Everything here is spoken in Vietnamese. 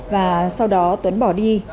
và sau đó tuấn bỏ đi